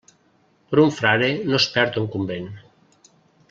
Per un frare no es perd un convent.